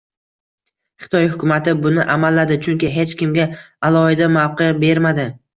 Xitoy hukumati buni amalladi, chunki hech kimga alohida mavqe bermadi...